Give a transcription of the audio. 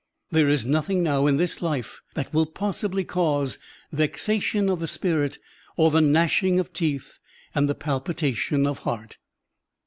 There is nothing now in this life that will possibly cause vexation of spirit or the gnashing of teeth and the palpi tation of heart.